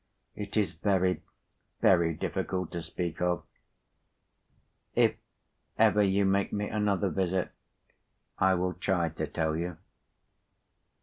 It is very, very, difficult to speak of. If ever you make me another visit, I will try to tell you."